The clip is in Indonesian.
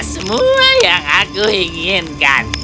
hehehehe aku punya semua yang aku inginkan